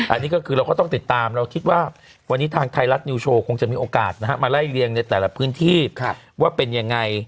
อันนี้ก็คือเราก็ต้องติดตามเราคิดว่าวันนี้ทางไทยรัฐนิวโชว์คงจะมีโอกาสนะฮะมาไล่เรียงในแต่ละพื้นที่ว่าเป็นยังไง